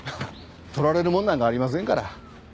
取られるもんなんかありませんから。